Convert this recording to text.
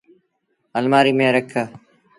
اَلمآريٚ ميݩ رکي۔